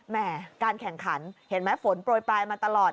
การแข่งขันเห็นไหมฝนโปรยปลายมาตลอด